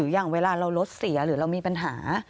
อย่างเวลาเรารถเสียหรือเรามีปัญหา